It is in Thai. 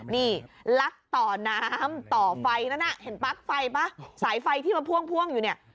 นี่ลักต่อน้ำต่อไฟนั้นน่ะเห็นปลั๊กไฟป่ะสายไฟที่มันพ่วงอยู่เนี่ย